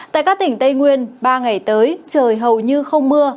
tại các tỉnh tây nguyên ba ngày tới trời hầu như không mưa